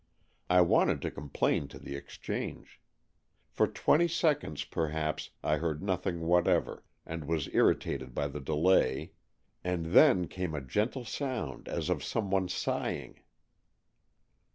I wanted to complain to the exchange. For twenty seconds, per haps, I heard nothing whatever, and was irritated by the delay, and then came a gentle sound as of some one sighing.